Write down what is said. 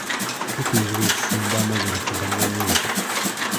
Tukubirizibwa okufumba amazzi nga tegannanyweebwa.